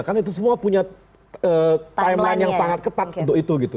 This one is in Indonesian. kan itu semua punya timeline yang sangat ketat untuk itu gitu